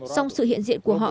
song sự hiện diện của họ